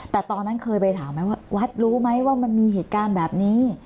แต่ตอนนั้นเคยไปถามไหมว่าวัดรู้ไหมว่ามันมีเหตุการณ์แบบนี้